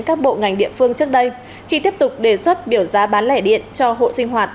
các bộ ngành địa phương trước đây khi tiếp tục đề xuất biểu giá bán lẻ điện cho hộ sinh hoạt